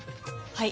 はい